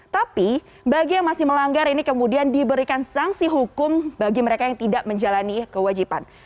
tapi bagi yang masih melanggar ini kemudian diberikan sanksi hukum bagi mereka yang tidak menjalani kewajiban